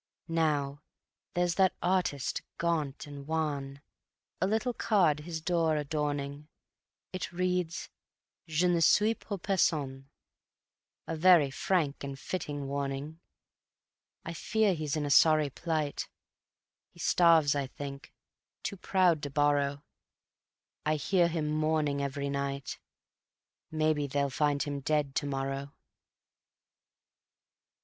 Now, there's that artist gaunt and wan, A little card his door adorning; It reads: "Je ne suis pour personne", A very frank and fitting warning. I fear he's in a sorry plight; He starves, I think, too proud to borrow, I hear him moaning every night: Maybe they'll find him dead to morrow.